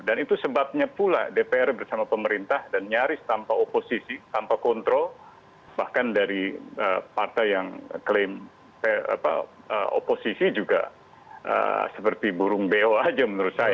dan itu sebabnya pula dpr bersama pemerintah dan nyaris tanpa oposisi tanpa kontrol bahkan dari partai yang klaim oposisi juga seperti burung bewa aja menurut saya